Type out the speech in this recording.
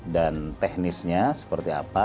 dan teknisnya seperti apa